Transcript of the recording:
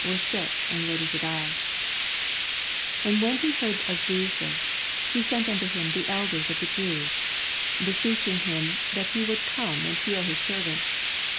I 200 EXPOSITOBY THOUGHTS, 8 And when ho heard of Jeeas, he ■ent nnto him the elders of the Jews, beseeching him that he woald oome and heal his servant.